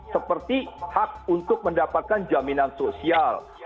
seperti hak untuk mendapatkan jaminan sosial